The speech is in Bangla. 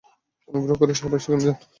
অনুগ্রহ করে সবাই সেখানে যান।